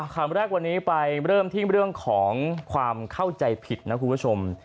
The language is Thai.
คำแรกวันนี้ไปเริ่มที่เรื่องของความเข้าใจผิดนะคุณผู้ชม